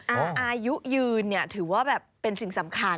อายุยืนเนี่ยถือว่าแบบเป็นสิ่งสำคัญ